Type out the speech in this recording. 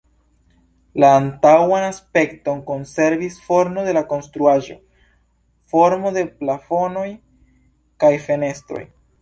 La antaŭan aspekton konservis formo de la konstruaĵo, formo de plafonoj kaj fenestroj.